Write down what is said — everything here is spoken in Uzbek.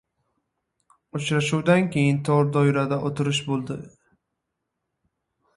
Uchrashuvdan keyin tor doirada o‘tirish bo‘ldi.